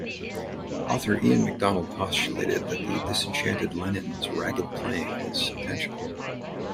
Author Ian MacDonald postulated that the disenchanted Lennon's ragged playing was intentional.